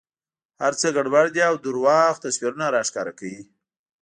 هر څه ګډوډ دي او درواغ تصویرونه را ښکاره کوي.